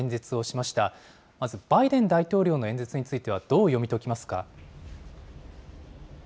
まずバイデン大統領の演説についてはどう読み解きますか。